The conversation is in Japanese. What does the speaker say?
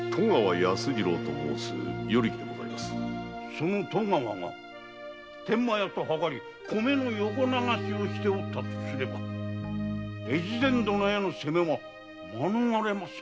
その戸川が天満屋と謀り米の横流しをしていたとすれば越前殿への責めは免れませぬ。